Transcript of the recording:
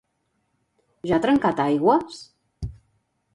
Ja ha trencat aigües?